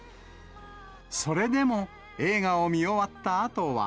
それでも、映画を見終わったあとは。